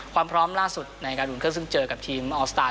ความพร้อมล่าสุดในการอุ่นเครื่องซึ่งเจอกับทีมออลสตาร์